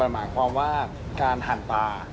หมายความว่าการหั่นปลา